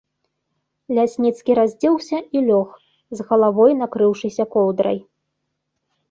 Лясніцкі раздзеўся і лёг, з галавой накрыўшыся коўдрай.